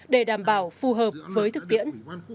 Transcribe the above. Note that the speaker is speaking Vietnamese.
để đảm bảo phù hợp với thực tiễn